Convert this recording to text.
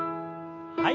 はい。